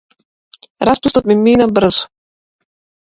Распустот ми мина брзо.